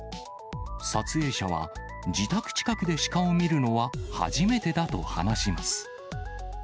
撮影者は、自宅近くでシカを見るのは初めてだと話します。